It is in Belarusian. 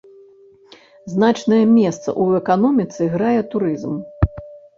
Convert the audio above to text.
Значнае месца ў эканоміцы грае турызм.